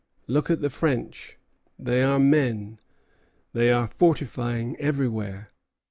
Look at the French: they are men; they are fortifying everywhere.